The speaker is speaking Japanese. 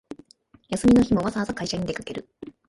休みの日もわざわざ会社に出かける